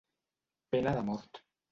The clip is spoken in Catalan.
Pena de mort.